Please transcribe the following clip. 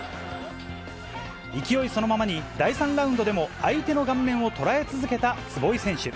勢いそのままに、第３ラウンドでも相手の顔面を捉え続けた坪井選手。